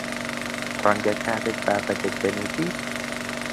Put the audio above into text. ڕەنگە کاتێک بابەتێک دەنووسیت